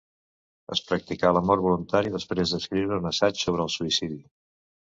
Es practicà la mort voluntària després d'escriure un assaig sobre el suïcidi.